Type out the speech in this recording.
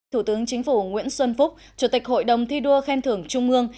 thủ tướng chính phủ nguyễn xuân phúc chủ tịch hội đồng thi đua khen thưởng trung ương